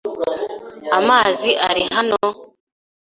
Amazi ari hano?